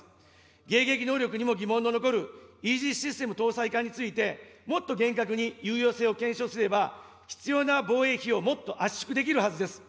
迎撃能力にも疑問の残るイージス・システム搭載艦について、もっと厳格に有用性を検証すれば、必要な防衛費をもっと圧縮できるはずです。